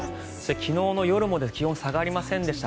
昨日の夜も気温下がりませんでした。